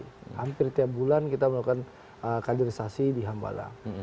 hampir tiap bulan kita melakukan kaderisasi di hambala